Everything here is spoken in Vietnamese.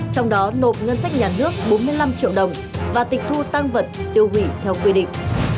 trong đó nộp ngân sách nhà nước bốn mươi năm triệu đồng và tịch thu tăng vật tiêu hủy theo quy định